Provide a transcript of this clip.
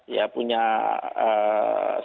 ya punya sudut pandang